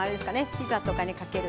ピザとかにかける